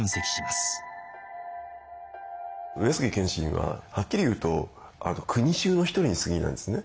上杉謙信ははっきり言うと国衆の１人にすぎないんですね。